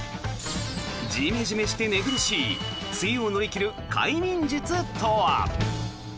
ジメジメして寝苦しい梅雨を乗り切る快眠術とは。